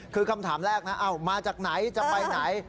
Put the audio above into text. คือคำถามแรกนะมาจากไหนจะไปไหน